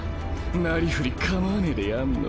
なりふり構わねぇでやんの。